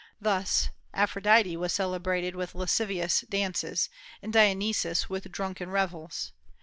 Thus, Aphrodite was celebrated with lascivious dances, and Dionysus with drunken revels.